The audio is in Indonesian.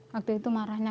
waktu itu marahnya